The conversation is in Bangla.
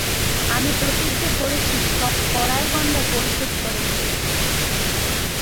আমি প্রতিজ্ঞা করছি সব কড়ায় গণ্ডায় পরিশোধ করে দেব!